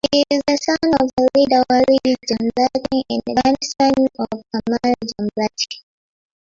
He is the son of the leader Walid Jumblatt and grandson of Kamal Jumblatt.